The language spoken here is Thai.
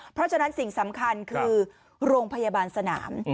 เพราะฉะนั้นสิ่งสำคัญคือโรงพยาบาลสนาม